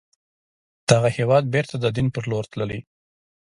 دغه هېواد بیرته د دين پر لور تللی